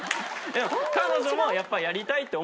彼女もやっぱやりたいって思ってると思いますよ